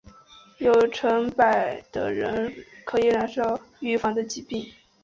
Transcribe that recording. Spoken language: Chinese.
有成百万的人染上可以预防的疾病。